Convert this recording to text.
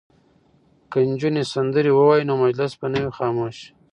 که نجونې سندرې ووايي نو مجلس به نه وي خاموش.